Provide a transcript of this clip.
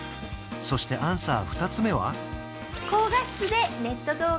そしてアンサー２つ目は？